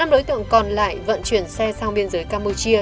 năm đối tượng còn lại vận chuyển xe sang biên giới campuchia